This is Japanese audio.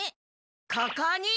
ここに！